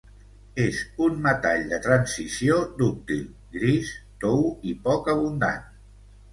És un metall de transició dúctil, gris, tou i poc abundant.